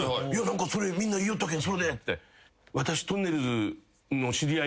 「それみんな言いよったけん」